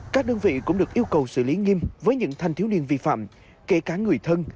các đơn vị cũng được yêu cầu xử lý nghiêm với những thanh thiếu niên vi phạm kể cả người thân